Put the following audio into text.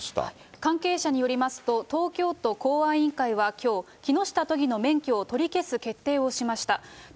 関係者によりますと、東京都公安委員会はきょう、木下都議の免許を取り消す決定をしました。